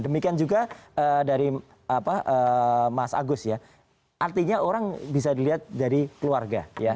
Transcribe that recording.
demikian juga dari mas agus ya artinya orang bisa dilihat dari keluarga